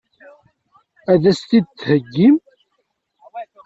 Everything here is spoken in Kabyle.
Ad as-t-id-theggim?